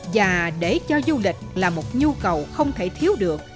và để cho du lịch là một nhu cầu không thể thiếu được